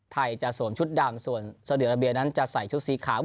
ไทยจะสวมชุดดำส่วนซาเดียราเบียนั้นจะใส่ชุดสีขาว